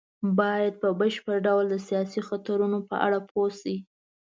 بايد په بشپړ ډول د سياسي خطرونو په اړه پوه شي.